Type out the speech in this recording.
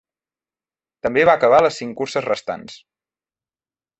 També va acabar les cinc curses restants.